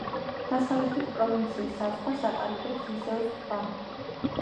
დასავლეთით, პროვინციის საზღვარს აყალიბებს იზეოს ტბა.